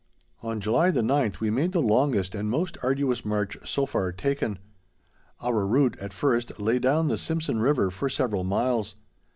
On July the ninth, we made the longest and most arduous march so far taken. Our route, at first, lay down the Simpson River for several miles.